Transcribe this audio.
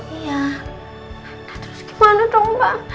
terus gimana dong pak